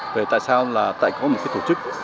về tại sao là tại có một cái tổ chức